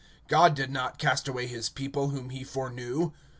(2)God did not cast away his people whom he foreknew.